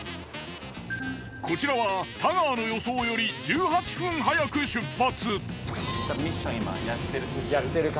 こちらは太川の予想より１８分早く出発。